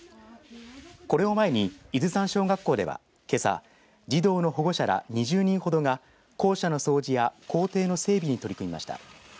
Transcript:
これを前に、伊豆山小学校ではけさ、児童の保護者ら２０人ほどが校舎の掃除や校庭の整備に取り組みました。